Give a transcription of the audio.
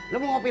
loh apa ini